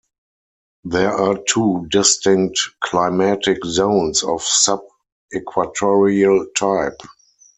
There are two distinct climatic zones of sub-equatorial type.